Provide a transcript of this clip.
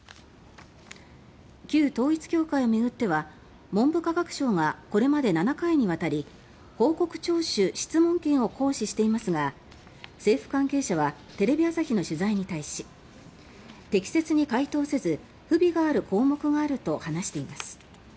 旧統一教会を巡っては文部科学省がこれまで７回にわたり報告徴収・質問権を行使ししていますが政府関係者はテレビ朝日の取材に対し適切に回答せず不備がある項目があると話しています。